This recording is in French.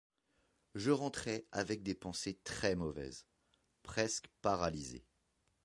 Je rentrai avec des pensées très mauvaises, presque paralysée.